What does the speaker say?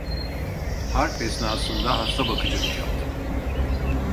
Harp esnasında hastabakıcılık yaptım.